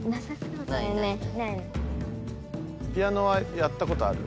ピアノはやったことある？